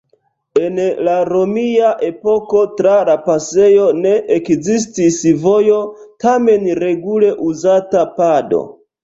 En la romia epoko tra la pasejo ne ekzistis vojo, tamen regule uzata pado.